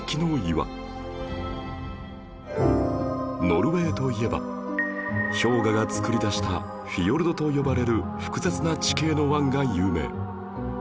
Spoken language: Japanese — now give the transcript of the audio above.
ノルウェーといえば氷河がつくり出したフィヨルドと呼ばれる複雑な地形の湾が有名